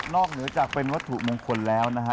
นอกเหนือแต่วัตถุมงคลแล้วครับ